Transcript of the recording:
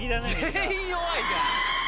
全員弱いじゃん。